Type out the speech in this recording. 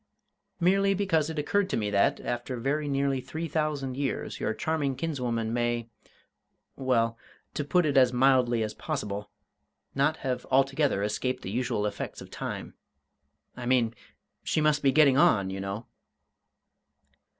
"Merely because it occurred to me that, after very nearly three thousand years, your charming kinswoman may well, to put it as mildly as possible, not have altogether escaped the usual effects of Time. I mean, she must be getting on, you know!"